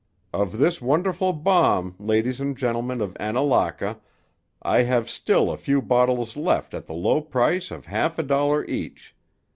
Of this wonderful balm, ladies and gentlemen of Annalaka, I have still a few bottles left at the low price of half a dollar each.